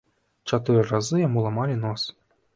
Чатыры разы яму ламалі нос.